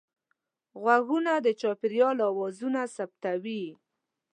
غوږونه د چاپېریال اوازونه ثبتوي